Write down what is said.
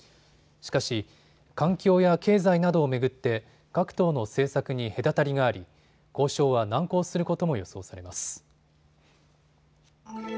しかし、環境や経済などを巡って各党の政策に隔たりがあり交渉は難航することも予想されます。